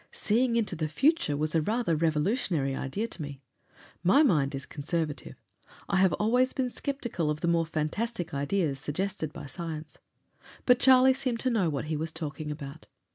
Seeing into the future was a rather revolutionary idea to me. My mind is conservative; I have always been sceptical of the more fantastic ideas suggested by science. But Charlie seemed to know what he was talking about.